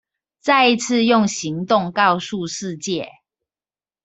再一次用行動告訴世界